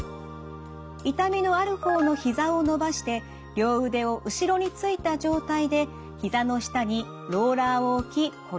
痛みのある方のひざを伸ばして両腕を後ろについた状態でひざの下にローラーを置き転がします。